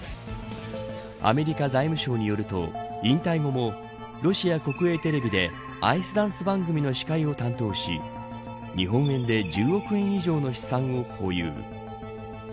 アメリカ財務省によると引退後も、ロシア国営テレビでアイスダンス番組の司会を担当し日本円で１０億円以上の資産を保有。